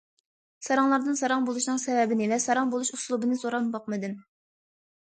ساراڭلاردىن ساراڭ بولۇشنىڭ سەۋەبىنى ۋە ساراڭ بولۇش ئۇسلۇبىنى سوراپمۇ باقمىدىم.